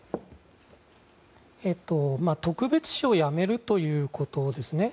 特別視をやめるということですね。